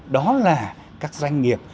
đó là các doanh nghiệp